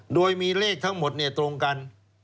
โดยมีเลขทั้งหมดตรงกัน